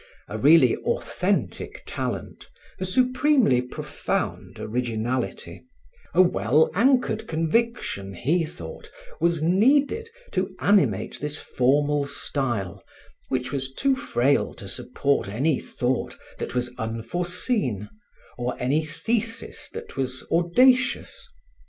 A really authentic talent, a supremely profound originality, a well anchored conviction, he thought, was needed to animate this formal style which was too frail to support any thought that was unforseen or any thesis that was audacious.